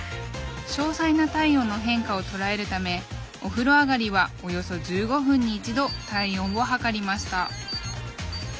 詳細な体温の変化を捉えるためお風呂上がりはおよそ１５分に一度体温を測りました。